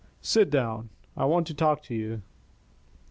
"Sit down, I want to talk to you."